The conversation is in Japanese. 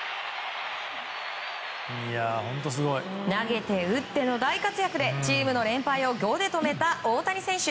投げて打っての大活躍でチームの連敗を５で止めた大谷選手。